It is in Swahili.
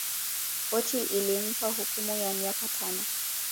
Koti ilimpa hukuma ya miaka tano